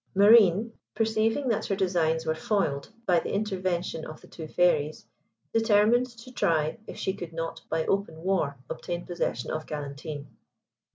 Marine, perceiving that her designs were foiled by the intervention of the two Fairies, determined to try if she could not by open war obtain possession of Galantine.